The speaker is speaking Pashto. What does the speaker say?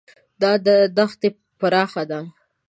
دا دښت پراخه ده.